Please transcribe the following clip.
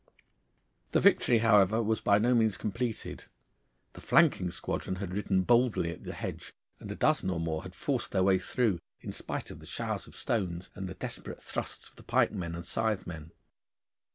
The victory, however, was by no means completed. The flanking squadron had ridden boldly at the hedge, and a dozen or more had forced their way through, in spite of the showers of stones and the desperate thrusts of the pikemen and scythemen.